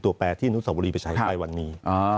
ตัวแปลที่นุศบุรีไปใช้ไปวันนี้